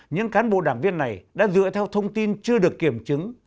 những cán bộ đảng viên này đã dựa theo thông tin chưa được kiểm chứng